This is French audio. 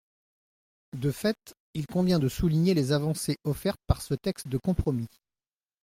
De fait, il convient de souligner les avancées offertes par ce texte de compromis.